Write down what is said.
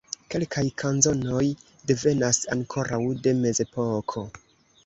Kelkaj kanzonoj devenas ankoraŭ de mezepoko.